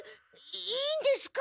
いいんですか？